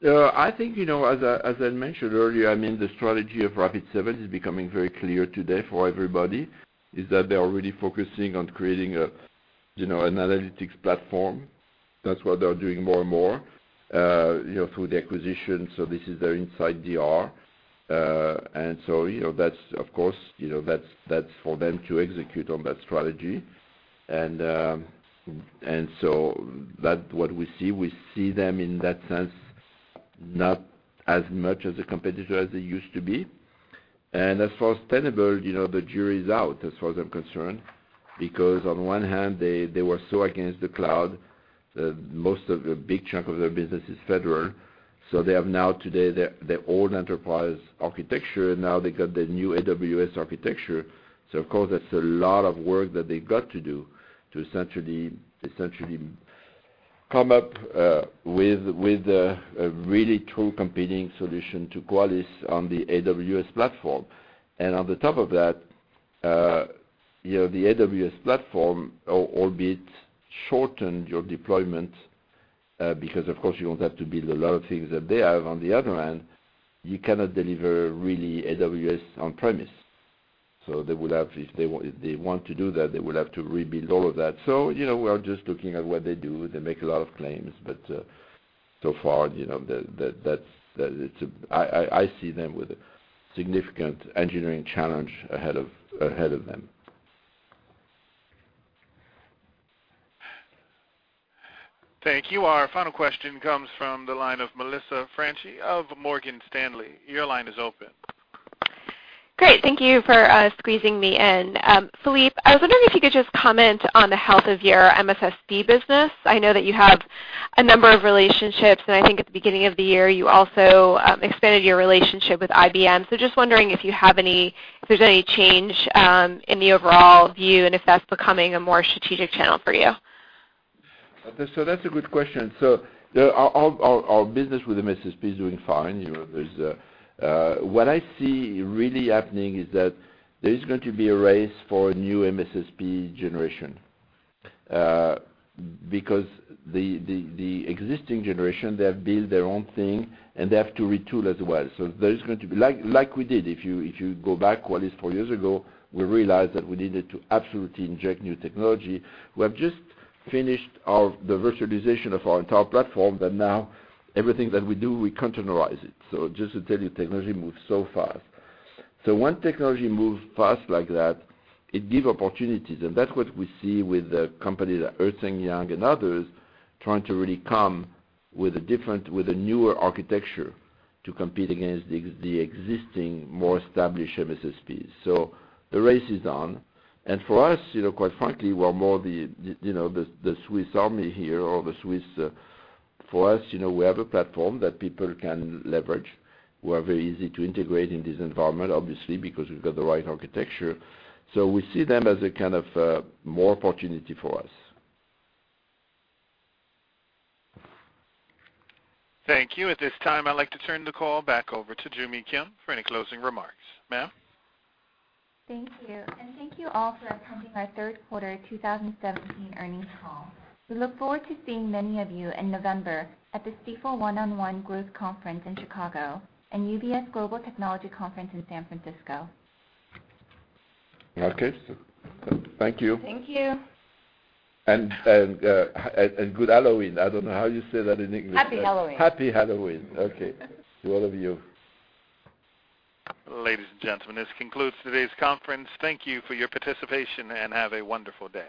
I think, as I mentioned earlier, the strategy of Rapid7 is becoming very clear today for everybody, is that they are really focusing on creating an analytics platform. That's what they're doing more and more, through the acquisition. This is their InsightIDR. That's, of course, that's for them to execute on that strategy. That's what we see. We see them in that sense, not as much as a competitor as they used to be. As for Tenable, the jury's out as far as I'm concerned, because on one hand, they were so against the cloud. Most of a big chunk of their business is federal. They have now today their old enterprise architecture, now they got the new AWS architecture. Of course, that's a lot of work that they got to do to essentially come up with a really true competing solution to Qualys on the AWS platform. On top of that, the AWS platform, albeit shortened your deployment, because of course you don't have to build a lot of things that they have. On the other hand, you cannot deliver really AWS on premise. If they want to do that, they will have to rebuild all of that. We are just looking at what they do. They make a lot of claims, so far, I see them with a significant engineering challenge ahead of them. Thank you. Our final question comes from the line of Melissa Franchi of Morgan Stanley. Your line is open. Great. Thank you for squeezing me in. Philippe, I was wondering if you could just comment on the health of your MSSP business. I know that you have a number of relationships, and I think at the beginning of the year, you also expanded your relationship with IBM. Just wondering if there's any change in the overall view, and if that's becoming a more strategic channel for you. That's a good question. Our business with MSSP is doing fine. What I see really happening is that there is going to be a race for a new MSSP generation. The existing generation, they have built their own thing, and they have to retool as well. There is going to be like we did, if you go back Qualys four years ago, we realized that we needed to absolutely inject new technology. We have just finished the virtualization of our entire platform, but now everything that we do, we containerize it. Just to tell you, technology moves so fast. When technology moves fast like that, it gives opportunities. That's what we see with the companies like Ernst & Young and others trying to really come with a newer architecture to compete against the existing, more established MSSPs. The race is on. For us, quite frankly, we're more the Swiss Army here or the Swiss. For us, we have a platform that people can leverage. We are very easy to integrate in this environment, obviously, because we've got the right architecture. We see them as a kind of more opportunity for us. Thank you. At this time, I'd like to turn the call back over to Joo Mi Kim for any closing remarks. Ma'am? Thank you. Thank you all for attending our third quarter 2017 earnings call. We look forward to seeing many of you in November at the Stifel One-on-One Growth Conference in Chicago and UBS Global Technology Conference in San Francisco. Okay. Thank you. Thank you. Good Halloween. I don't know how you say that in English. Happy Halloween. Happy Halloween. Okay. To all of you. Ladies and gentlemen, this concludes today's conference. Thank you for your participation, and have a wonderful day.